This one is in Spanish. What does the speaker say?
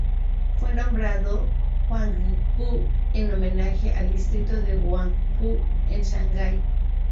Fue nombrado Huangpu en homenaje al distrito de Huangpu en Shanghái.